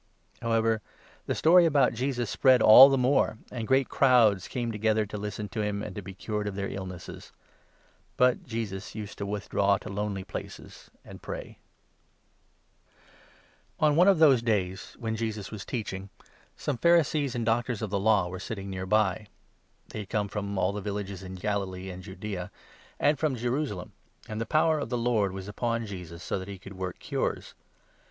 However, the story about 15 Jesus spread all the more, and great crowds came together to listen to him, and to be cured of their illnesses ; but Jesus 16 used to withdraw to lonely places and pray. 14 Lev. 13. 49. LUKE, 5. 115 cure of ^n one °f tnose days, when Jesus was teaching, 17 a paraiyzod some Pharisees and Doctors of the Law were Man. sitting near by. (They had come from all the villages in Galilee and Judaea, and from Jerusalem ; and the power of the Lord was upon Jesus, so that he could work cures.)